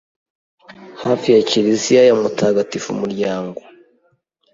hafi ya Kiliziya ya mutagatifu muryango